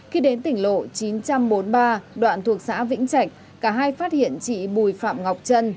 khi đến tỉnh lộ chín trăm bốn mươi ba đoạn thuộc xã vĩnh trạch cả hai phát hiện chị bùi phạm ngọc trân